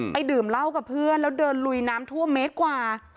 ดื่มเหล้ากับเพื่อนแล้วเดินลุยน้ำท่วมเมตรกว่า